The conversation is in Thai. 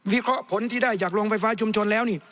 เคราะห์ผลที่ได้จากโรงไฟฟ้าชุมชนแล้วนี่